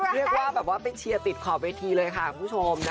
เรียกว่าแบบว่าไปเชียร์ติดขอบเวทีเลยค่ะคุณผู้ชม